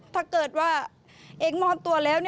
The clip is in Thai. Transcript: ถ้าเกิดว่าเองมอบตัวแล้ว